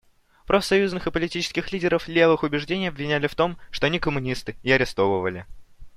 Профсоюзных и политических лидеров левых убеждений обвиняли в том, что они коммунисты, и арестовывали.